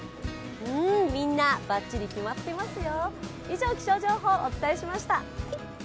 みんな、バッチリ決まってますよ。